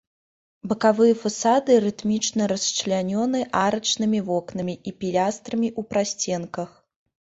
Бакавыя фасады рытмічна расчлянёны арачнымі вокнамі і пілястрамі ў прасценках.